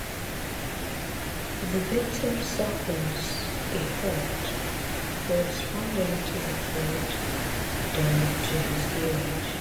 The victim suffers a hurt corresponding to the hurt done to his image.